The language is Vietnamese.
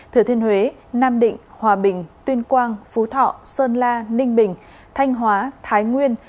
thừa thiên huế nam định hòa bình tuyên quang phú thọ sơn la ninh bình thanh hóa thái nguyên